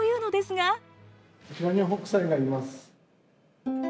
こちらに北斎がいます。